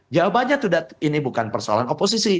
jawabannya ini bukan persoalan oposisi